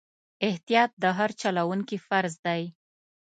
احتیاط د هر چلوونکي فرض دی.